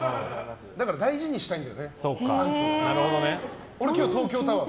だから、大事にしたいんだよね。